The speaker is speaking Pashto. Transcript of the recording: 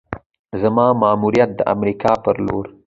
زما ماموریت د امریکا پر لور: